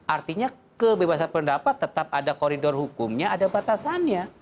artinya kebebasan pendapat tetap ada koridor hukumnya ada batasannya